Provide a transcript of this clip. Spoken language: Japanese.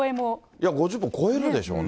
いや、５０本超えるでしょうね。